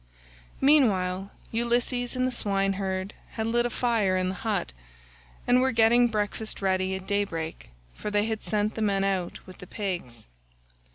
Meanwhile Ulysses and the swineherd had lit a fire in the hut and were were getting breakfast ready at daybreak, for they had sent the men out with the pigs.